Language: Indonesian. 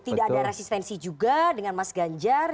tidak ada resistensi juga dengan mas ganjar